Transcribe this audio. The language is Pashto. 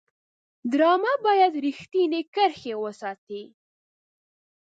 ډرامه باید رښتینې کرښې وساتي